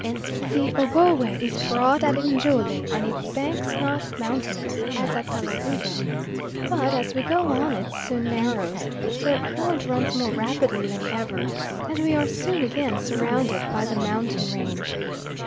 The Ogowe is broad at Njole and its banks not mountainous, as at Talagouga; but as we go on it soon narrows, the current runs more rapidly than ever, and we are soon again surrounded by the mountain range.